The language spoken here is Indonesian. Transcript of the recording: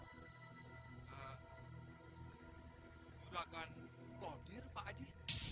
sudahkan rodir pak haji